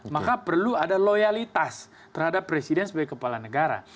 maka perlu ada loyalitas terhadap presiden sebagai kepala negara